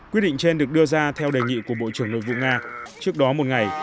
quyết định trên được đưa ra theo đề nghị của bộ trưởng nội vụ nga trước đó một ngày